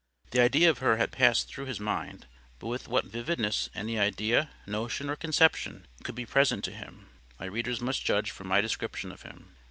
The idea of her had passed through his mind; but with what vividness any idea, notion, or conception could be present to him, my readers must judge from my description of him.